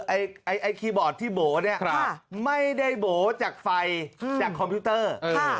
ไอไอไอไอคีย์บอร์ดที่โบ๋เนี่ยครับไม่ได้โบ๋จากไฟจากคอมพิวเตอร์ค่ะ